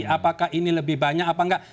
apakah ini lebih banyak apa enggak